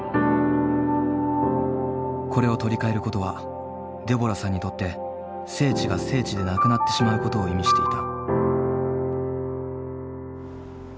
これを取り替えることはデボラさんにとって聖地が聖地でなくなってしまうことを意味していた。